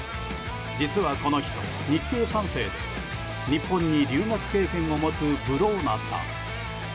実はこの人、日系３世で日本に留学経験も持つブローナさん。